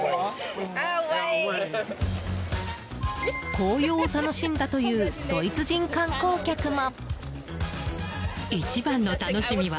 紅葉を楽しんだというドイツ人観光客も。